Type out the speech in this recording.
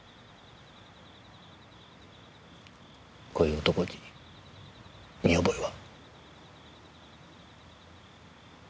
こういう男に見覚えは？